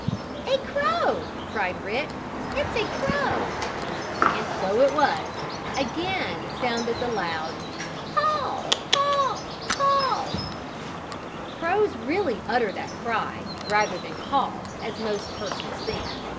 "A crow!" cried Rick. "It's a crow!" And so it was. Again sounded the loud: "Haw! Haw! Haw!" Crows really utter that cry, rather than "Caw!" as most persons think.